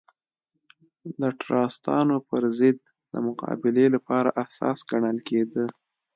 د ټراستانو پر ضد د مقابلې لپاره اساس ګڼل کېده.